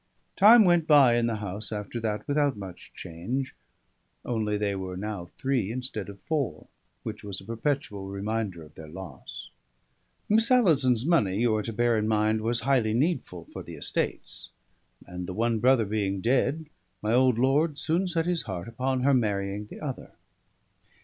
Time went by in the house after that without much change; only they were now three instead of four, which was a perpetual reminder of their loss. Miss Alison's money, you are to bear in mind, was highly needful for the estates; and the one brother being dead, my old lord soon set his heart upon her marrying the other.